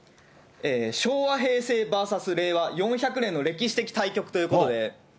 昭和、平成ＶＳ令和、４００年の歴史的対局ということで。